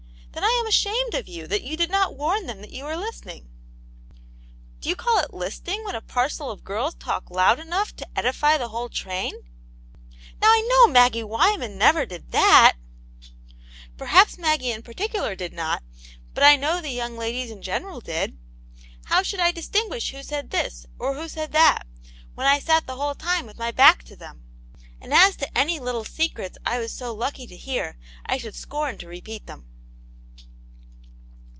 Then I am ashamed of you that you did not warn them that you were listening." " Do you call it listening when a parcel of girls talk loud enough to edify the whole train ?"*' Now I know Maggie Wyman never did that ! "Perhaps Maggie in particular did not, but I know the young ladies in general did. How should I distinguish who said this, or who said that, when t sat the whole time with my back to them ? And as to any little secrets I was so lucky as to hear, I should scorn to repeat them.